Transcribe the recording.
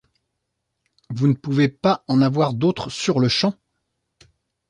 Vous ne pouvez pas en avoir d’autre sur-le-champ ?